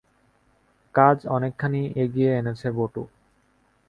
কাজ অনেকখানি এগিয়ে এনেছে বটু।